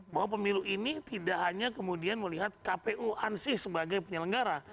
bahwa pemilu ini tidak hanya kemudian melihat kpu ansih sebagai penyelenggara